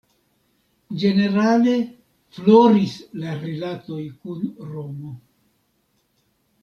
Ĝenerale floris la rilatoj kun Romo.